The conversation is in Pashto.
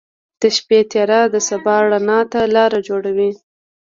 • د شپې تیاره د سبا رڼا ته لاره جوړوي.